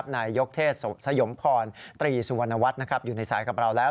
นายยกเทศสยมพรตรีสุวรรณวัฒน์อยู่ในสายกับเราแล้ว